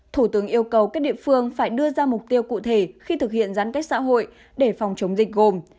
thủ tướng yêu cầu các địa phương phải đưa ra mục tiêu cụ thể khi thực hiện giãn cách xã hội để phòng chống dịch gồm